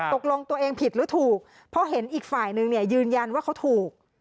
ตกลงตัวเองผิดหรือถูกเพราะเห็นอีกฝ่ายนึงเนี่ยยืนยันว่าเขาถูก